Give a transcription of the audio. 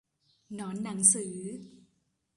หนอนหนังสือ